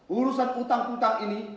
urusan hutang hutang ini